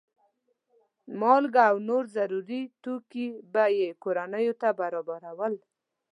مالګه او نور ضروري توکي به یې کورنیو ته برابرول.